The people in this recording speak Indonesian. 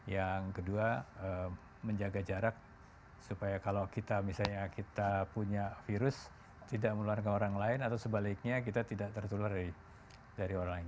yang kedua menjaga jarak supaya kalau kita misalnya kita punya virus tidak menular ke orang lain atau sebaliknya kita tidak tertular dari orang lain